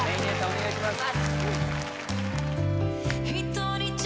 お願いします